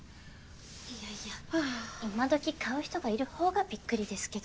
いやいや今どき買う人がいる方がびっくりですけど。